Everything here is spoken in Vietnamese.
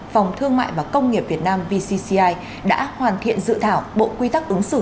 phòng thương mại và công nghiệp việt nam vcci đã hoàn thiện dự thảo bộ quy tắc ứng xử